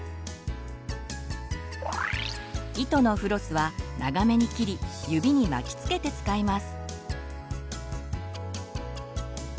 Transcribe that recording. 糸のフロスは長めに切り指に巻きつけて使います。